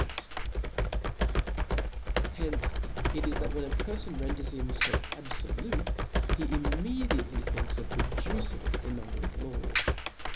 Hence it is, that when a perfon renders himfelf abfolute *, he immediately thinks of reducing the number of laws.